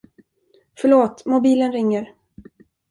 Förlåt, mobilen ringer.